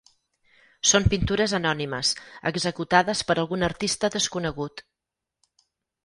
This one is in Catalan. Són pintures anònimes, executades per algun artista desconegut.